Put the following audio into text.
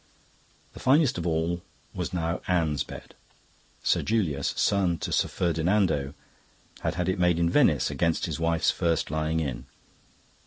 The finest of all was now Anne's bed. Sir Julius, son to Sir Ferdinando, had had it made in Venice against his wife's first lying in.